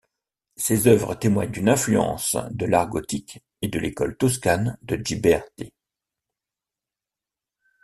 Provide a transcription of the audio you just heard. Ses œuvres témoignent d'une influence de l'art gothique et de l'école Toscane de Ghiberti.